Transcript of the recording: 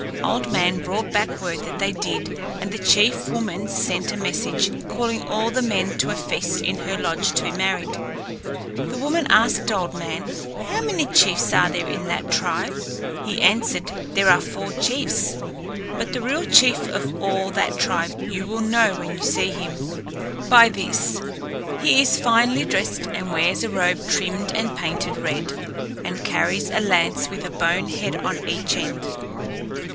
Old Man brought back word that they did, and the chief woman sent a message, calling all the men to a feast in her lodge to be married. The woman asked Old Man, "How many chiefs are there in that tribe?" He answered, "There are four chiefs. But the real chief of all that tribe you will know when you see him by this he is finely dressed and wears a robe trimmed, and painted red, and carries a lance with a bone head on each end."